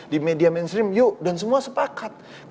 di media mainstream yuk dan semua sepakat